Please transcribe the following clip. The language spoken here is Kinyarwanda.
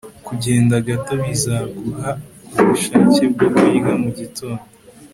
Kugenda gato bizaguha ubushake bwo kurya mugitondo